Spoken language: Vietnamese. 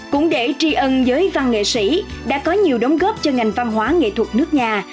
cũng để tri ân giới văn nghệ sĩ đã có nhiều đóng góp cho ngành văn hóa nghệ thuật nước nhà